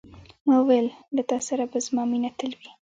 ما وویل، له تا سره به زما مینه تل وي.